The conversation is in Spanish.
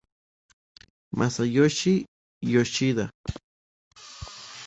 Masayoshi Yoshida